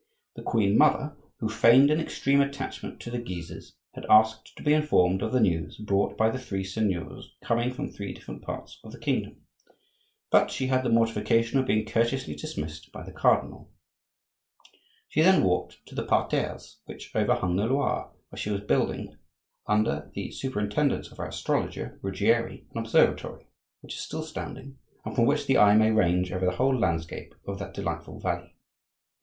The queen mother, who feigned an extreme attachment to the Guises, had asked to be informed of the news brought by the three seigneurs coming from three different parts of the kingdom; but she had the mortification of being courteously dismissed by the cardinal. She then walked to the parterres which overhung the Loire, where she was building, under the superintendence of her astrologer, Ruggieri, an observatory, which is still standing, and from which the eye may range over the whole landscape of that delightful valley.